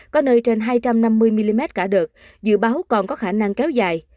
có nơi trên hai trăm năm mươi mm cả đợt dự báo còn có khả năng kéo dài